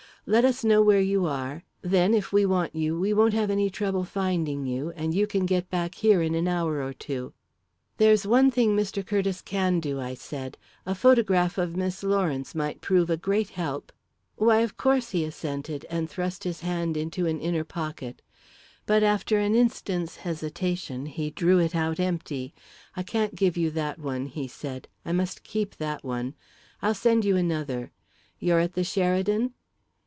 Let us know where you are; then, if we want you, we won't have any trouble finding you, and you can get back here in an hour or two." "There's one thing Mr. Curtiss can do," I said. "A photograph of Miss Lawrence might prove a great help." "Why, of course," he assented, and thrust his hand into an inner pocket. But, after an instant's hesitation, he drew it out empty. "I can't give you that one," he said; "I must keep that one. I'll send you another. You're at the Sheridan?"